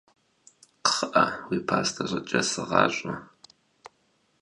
КхъыӀэ, уи пӀастэ щӀыкӀэр сыгъащӀэ!